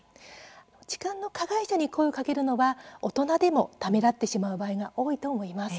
痴漢の加害者に声をかけるのは大人でもためらってしまう場合が多いと思います。